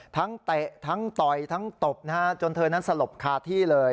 เตะทั้งต่อยทั้งตบนะฮะจนเธอนั้นสลบคาที่เลย